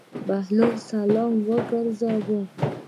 بهلول سلام وګرځاوه.